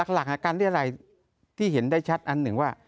หลักการเรียรัยที่เห็นได้ชัดอันหนึ่งว่า